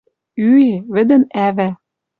Ӱэ, вӹдӹн ӓвӓ